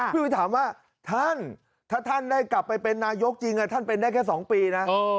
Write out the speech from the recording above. พี่วิถามว่าท่านถ้าท่านได้กลับไปเป็นนายกจริงท่านเป็นได้แค่๒ปีนะ